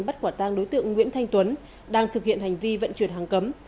bắt quả tang đối tượng nguyễn thanh tuấn đang thực hiện hành vi vận chuyển hàng cấm